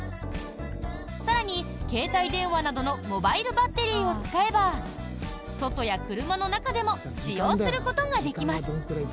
更に、携帯電話などのモバイルバッテリーを使えば外や車の中でも使用することができます。